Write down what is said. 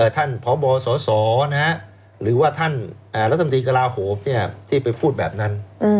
ท่านพบสสหรือว่าท่านรัฐมนตรีกระลาโหมที่ไปพูดแบบนั้น